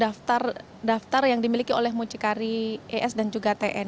daftar daftar yang dimiliki oleh mucikari es dan juga tn